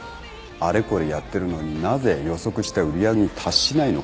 あれこれやってるのになぜ予測した売り上げに達しないのか。